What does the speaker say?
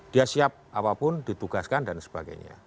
dia siap apapun ditugaskan dan sebagainya